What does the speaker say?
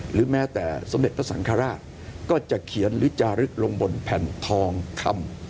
หรือแม้แต่สมเด็จพระสังฆราชก็จะเขียนหรือจารึกลงบนแผ่นทองคำ